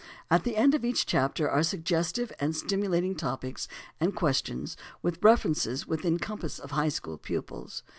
At the end of each chapter are suggestive and stimulating topics and questions, with references within the compass of high school pupils.